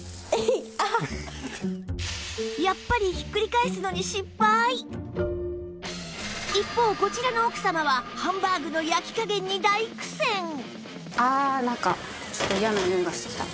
やっぱり一方こちらの奥様はハンバーグの焼き加減に大苦戦あなんか。